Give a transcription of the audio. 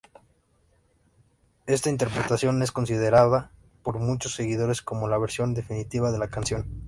Esta interpretación es considerada por muchos seguidores como la versión definitiva de la canción.